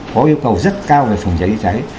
có yêu cầu rất cao về phòng cháy cháy